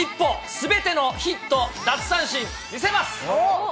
すべてのヒット、奪三振、見せます。